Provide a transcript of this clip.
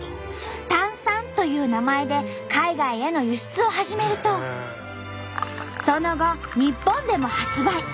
「タンサン」という名前で海外への輸出を始めるとその後日本でも発売。